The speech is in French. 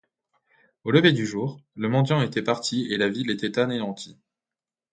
Au lever du jour, le mendiant était parti et la ville était anéantie.